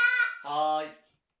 はい。